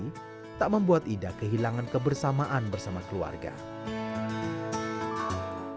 segudang prestasi dan dampak pada masyarakat yang ida berikan dalam mengkampanyekan gerakan literasi